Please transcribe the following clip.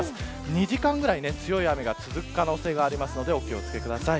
２時間ぐらい強い雨が続く可能性があるのでお気を付けください。